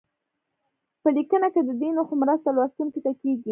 په لیکنه کې د دې نښو مرسته لوستونکي ته کیږي.